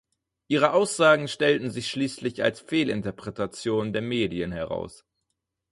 Ihre Aussagen stellten sich schließlich als Fehlinterpretationen der Medien heraus.